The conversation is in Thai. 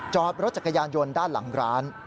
จอดรถจักรยานยนต์ด้านหลังร้าน